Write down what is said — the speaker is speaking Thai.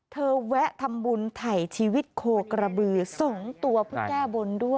เธอแวะทำบุญถ่ายชีวิตโคกระบือสองตัวผู้แก้บุญด้วย